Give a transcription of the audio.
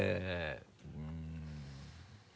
うん。